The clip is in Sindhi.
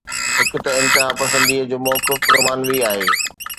هڪ ته انتها پسنديءَ جو موقف رومانوي آهي.